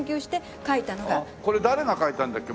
これ誰が描いたんだっけ？